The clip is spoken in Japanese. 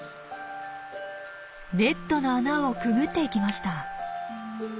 ネットの穴をくぐっていきました。